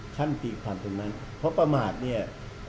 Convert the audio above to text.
ตีความตรงนั้นเพราะประมาทเนี่ย